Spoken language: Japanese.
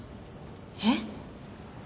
えっ？